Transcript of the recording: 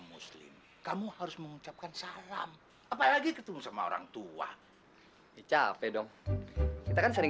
muslim kamu harus mengucapkan salam apalagi ketemu sama orang tua dicapai dong kita kan sering